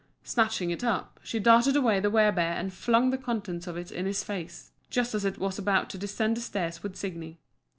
Snatching it up, she darted after the wer bear and flung the contents of it in its face, just as it was about to descend the stairs with Signi.